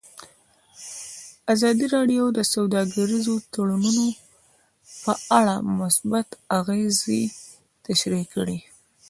ازادي راډیو د سوداګریز تړونونه په اړه مثبت اغېزې تشریح کړي.